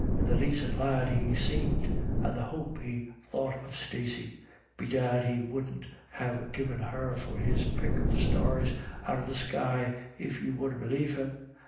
And the dacint lad he seemed, and the hape he thought of Stacey. Bedad, he wouldn't have given her for his pick of the stars out of the BETWEEN TWO LADY DA YS. 215 sky, if you were to believe him.